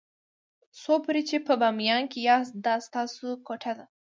څو پورې چې په بامیانو کې یاست دا ستاسو کوټه ده.